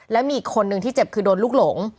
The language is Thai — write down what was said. แล้วมีอีกคนนึงที่เจ็บคือโดนลูกหลง